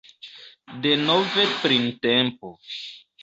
Denove printempo!..